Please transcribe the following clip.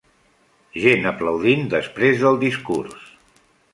Gent aplaudint després del discurs.